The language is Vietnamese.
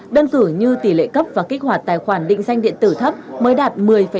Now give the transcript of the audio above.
đơn cử như tỷ lệ cấp và kích hoạt tài khoản định danh điện tử thấp mới đạt một mươi ba